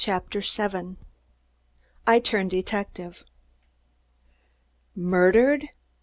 CHAPTER SEVEN I TURN DETECTIVE Murdered!